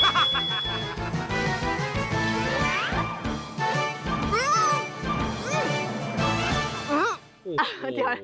โอ้โฮ